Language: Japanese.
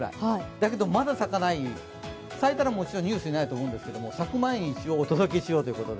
だけど、まだ咲かない、咲いたらもちろんニュースになると思うんですけど、咲く前に一応、お届けしようということで。